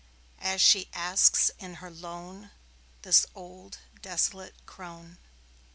As she asks in her lone, This old, desolate crone.